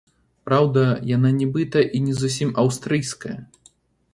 Праўда, яна нібыта і не зусім аўстрыйская.